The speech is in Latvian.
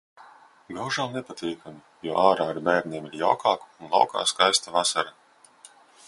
Gaužām nepatīkami, jo ārā ar bērniem ir jaukāk un laukā skaista vasara.